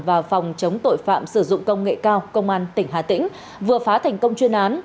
và phòng chống tội phạm sử dụng công nghệ cao công an tỉnh hà tĩnh vừa phá thành công chuyên án